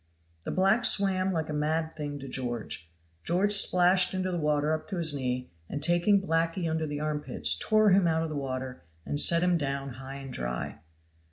The black swam like a mad thing to George. George splashed into the water up to his knee, and taking blackee under the arm pits, tore him out of the water and set him down high and dry.